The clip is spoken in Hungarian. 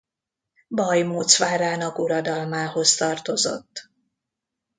Bajmóc várának uradalmához tartozott.